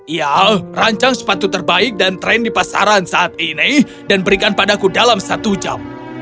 ya rancang sepatu terbaik dan tren di pasaran saat ini dan berikan padaku dalam satu jam